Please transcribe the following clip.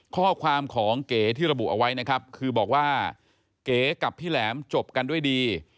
ข้อความของเก๋ที่ระบุเอาไว้นะครับคือบอกว่าเก๋กับพี่แหลมจบกันด้วยดี